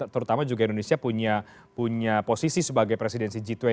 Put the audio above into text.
terutama juga indonesia punya posisi sebagai presidensi g dua puluh